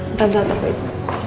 nanti aku taruh